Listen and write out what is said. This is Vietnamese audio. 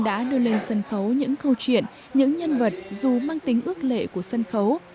đã đưa lên sân khấu những câu chuyện những nhân vật dù mang tính ước lệ của sân khấu